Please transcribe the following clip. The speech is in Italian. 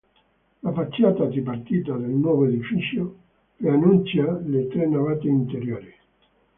La facciata tripartita del nuovo edificio preannuncia le tre navate interiori.